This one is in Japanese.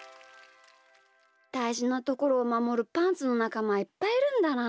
だいじなところをまもるパンツのなかまはいっぱいいるんだな。